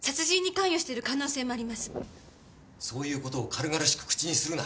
そういう事を軽々しく口にするな。